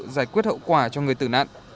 giải quyết hậu quả cho người tử nạn